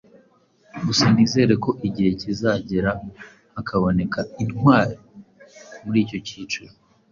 gusa nizera ko igihe kizagera hakaboneka intwari muri icyo kiciro.